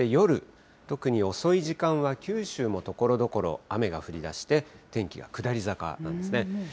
そして、夜、特に遅い時間は九州もところどころ、雨が降りだして、天気は下り坂なんですね。